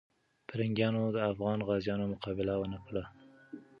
پرنګیانو د افغان غازیانو مقابله ونه کړه.